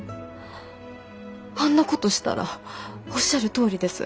あんなことしたらおっしゃるとおりです